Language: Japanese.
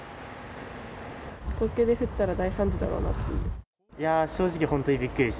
東京で降ったら大惨事だろうなって。